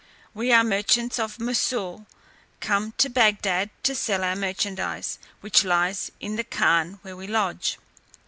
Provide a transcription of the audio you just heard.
We are merchants of Moussol come to Bagdad to sell our merchandize, which lies in the khan where we lodge.